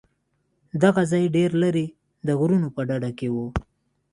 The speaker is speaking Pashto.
دغه ځاى ډېر لرې د غرونو په ډډه کښې و.